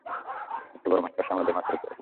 একটা বড় মাকড়সা আমাদের মাথার উপরে।